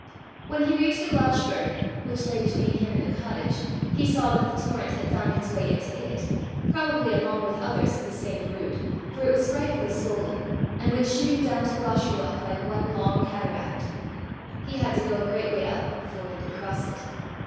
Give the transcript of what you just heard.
When he reached the Glashburn, which lay between him and the cottage, he saw that the torrent had found its way into it, probably along with others of the same brood, for it was frightfully swollen, and went shooting down to Glashruach like one long cataract. He had to go a great way up before he could cross it.